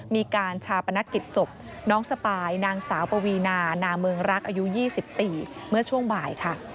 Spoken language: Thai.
มีการชาปนกิจศพน้องสปายนางสาวปวีนานาเมืองรักอายุ๒๐ปีเมื่อช่วงบ่ายค่ะ